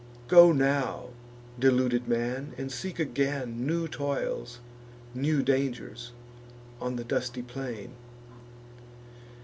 Go now, deluded man, and seek again New toils, new dangers, on the dusty plain.